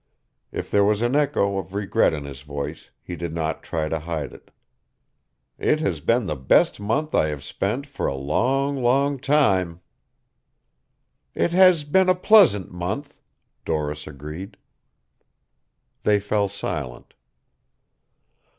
If there was an echo of regret in his voice he did not try to hide it. "It has been the best month I have spent for a long, long time." "It has been a pleasant month," Doris agreed. They fell silent.